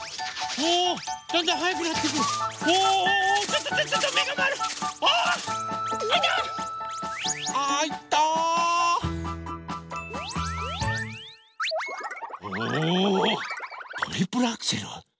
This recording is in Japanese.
おおトリプルアクセル？